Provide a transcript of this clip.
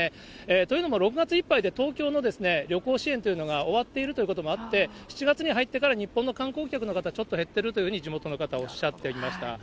というのも、６月いっぱいで東京の旅行支援というのが終わっているということもあって、７月に入ってから日本の観光客の方、ちょっと減ってるというふうに地元の方、おっしゃっていました。